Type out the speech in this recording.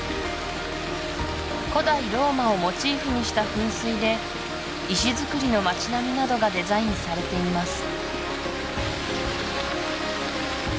古代ローマをモチーフにした噴水で石造りの街並みなどがデザインされています